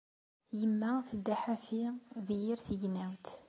Yemma tedda ḥafi di yir tignawt.